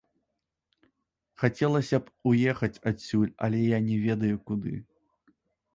Хацелася б уехаць адсюль, але я не ведаю куды.